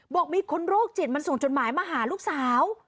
บอกมีคนโรคจิตมันส่งจดหมายมาหาลูกสาว